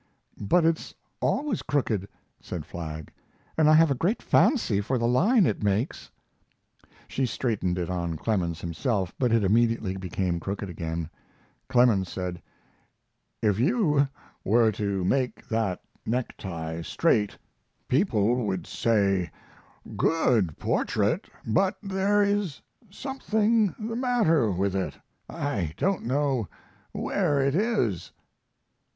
"But it's always crooked," said Flagg, "and I have a great fancy for the line it makes." She straightened it on Clemens himself, but it immediately became crooked again. Clemens said: "If you were to make that necktie straight people would say; 'Good portrait, but there is something the matter with it. I don't know where it is.'"